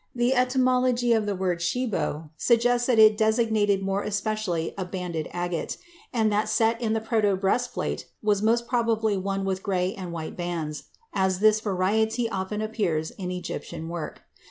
The etymology of the word shebo suggests that it designated more especially a banded agate, and that set in the proto breastplate was most probably one with gray and white bands, as this variety often appears in Egyptian work.